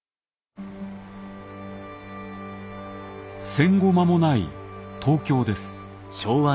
戦後間もない東京です。